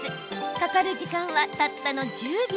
かかる時間は、たったの１０秒。